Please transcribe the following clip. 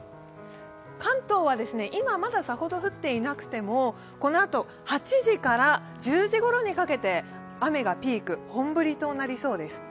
関東は今まださほど降っていなくてもこのあと、８時から１０時ごろにかけて雨がピーク本降りとなりそうです。